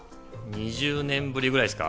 ２０年ぶりぐらいですか？